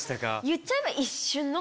言っちゃえば。